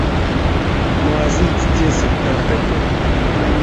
Мазыйть тесэнь таркатне.